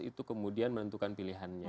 itu kemudian menentukan pilihannya